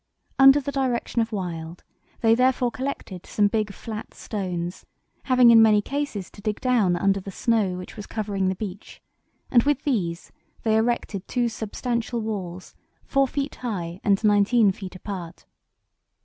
Under the direction of Wild they, therefore, collected some big flat stones, having in many cases to dig down under the snow which was covering the beach, and with these they erected two substantial walls four feet high and nineteen feet apart.